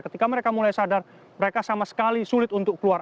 ketika mereka mulai sadar mereka sama sekali sulit untuk keluar